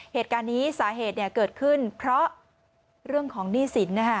เหตุการณ์นี้สาเหตุเกิดขึ้นเพราะเรื่องของหนี้สิน